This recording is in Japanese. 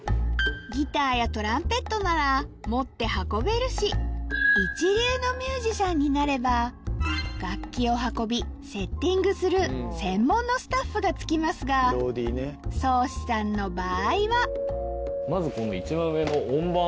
ギターやトランペットなら持って運べるし一流のミュージシャンになれば楽器を運びセッティングする専門のスタッフが付きますがそうしさんの場合はまず一番上の音板